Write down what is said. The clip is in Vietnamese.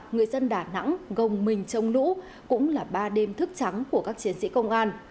người dân đà nẵng gồng mình trông lũ cũng là ba đêm thức trắng của các chiến sĩ công an